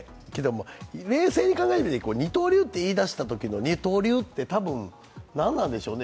冷静に考えると、二刀流と言い出したときの二刀流って多分、何なんでしょうね。